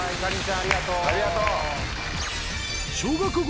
ありがとう。